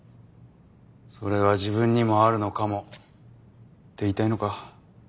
それが自分にもあるのかもって言いたいのか？